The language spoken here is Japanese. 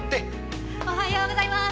おはようございます。